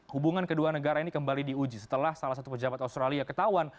hubungan kedua negara ini kembali diuji setelah salah satu pejabat australia ketahuan